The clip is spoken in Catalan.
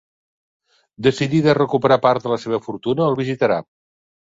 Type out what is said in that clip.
Decidida a recuperar part de la seva fortuna, el visitarà.